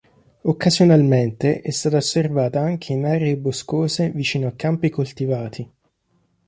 Occasionalmente è stata osservata anche in aree boscose vicino a campi coltivati.